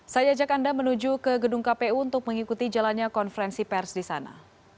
saya ajak anda menuju ke gedung kpu untuk mengikuti jalannya konferensi pers di sana